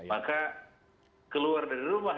maka keluar dari rumah